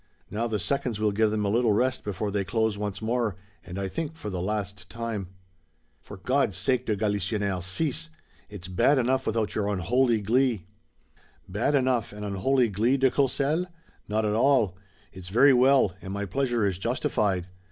Now, the seconds will give them a little rest before they close once more, and, I think, for the last time." "For God's sake, de Galisonnière, cease! It's bad enough without your unholy glee!" "'Bad enough' and 'unholy glee,' de Courcelles! Not at all! It's very well, and my pleasure is justified.